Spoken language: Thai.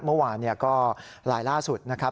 เมื่อวานก็ลายล่าสุดนะครับ